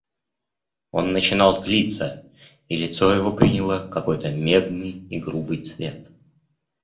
Он начинал злиться, и лицо его приняло какой-то медный и грубый цвет.